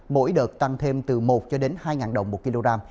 mỗi đợt tăng thêm từ một cho đến hai đồng một kg